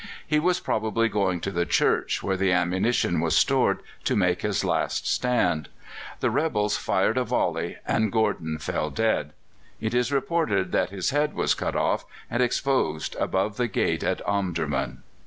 He was probably going to the church, where the ammunition was stored, to make his last stand. The rebels fired a volley, and Gordon fell dead. It is reported that his head was cut off and exposed above the gate at Omdurman.